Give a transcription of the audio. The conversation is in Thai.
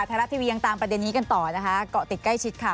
ท้ายรับทีวียังตามประเด็นนี้กันต่อนะคะ